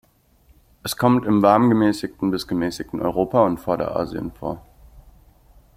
Es kommt im warmgemäßigten bis gemäßigten Europa und Vorderasien vor.